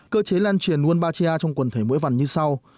cơ chế lan truyền wombatia trong quần thể mũi vằn như sau